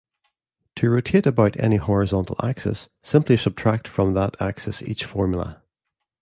To rotate about any horizontal axis, simply subtract from that axis each formula.